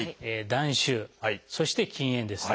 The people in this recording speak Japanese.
「断酒」そして「禁煙」です。